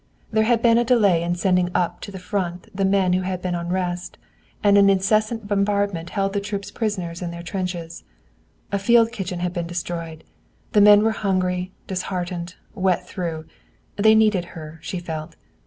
There had been a delay in sending up to the Front the men who had been on rest, and an incessant bombardment held the troops prisoners in their trenches. A field kitchen had been destroyed. The men were hungry, disheartened, wet through. They needed her, she felt.